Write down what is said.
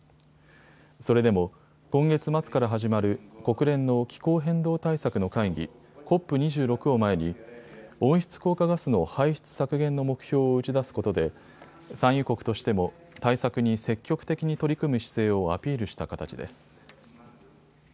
それでも、今月末から始まる国連の気候変動対策の会議、ＣＯＰ２６を前に温室効果ガスの排出削減の目標を打ち出すことで産油国としても対策に積極的に取り組む姿勢をアピールした形です。